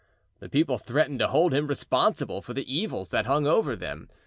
The people threatened to hold him responsible for the evils that hung over them.